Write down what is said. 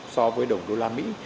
so với đồng đô la mỹ